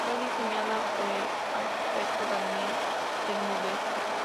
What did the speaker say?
Fue diseñada por el arquitecto Daniel Bermúdez.